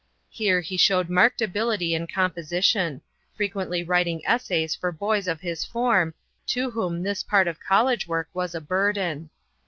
Here he showed marked ability in composition, frequently writing essays for boys of his form, to whom this part of college work was a burden.